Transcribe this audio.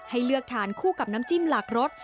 ให้เลือกทานคู่กับน้ำจิ้มหลากรส